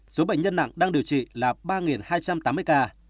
số bệnh nhân nặng đang điều trị là ba hai trăm tám mươi ca